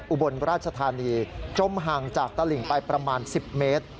๘๖๗๗อุบลราชธานีจมห่างจากตะลิงไปประมาณสิบเมตร